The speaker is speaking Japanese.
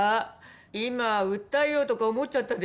今訴えようとか思っちゃったでしょう？